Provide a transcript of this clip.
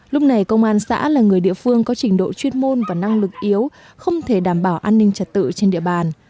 lúc này công an xã là người địa phương có trình độ chuyên môn và năng lực yếu không thể đảm bảo an ninh trật tự trên địa bàn